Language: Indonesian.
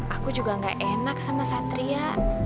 aku juga gak enak sama satria